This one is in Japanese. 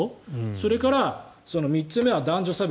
それから３つ目は男女差別。